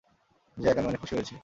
Jack, আমি অনেক খুশি হয়েছি।